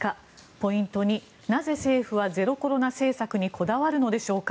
ポイント２、なぜ政府はゼロコロナ政策にこだわるのでしょうか。